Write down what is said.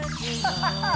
ハハハッ！